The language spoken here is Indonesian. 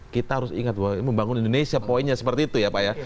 kita harus ingat bahwa membangun indonesia poinnya seperti itu ya pak ya